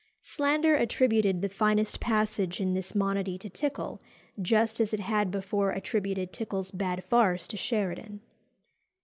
Slander attributed the finest passage in this monody to Tickell, just as it had before attributed Tickell's bad farce to Sheridan.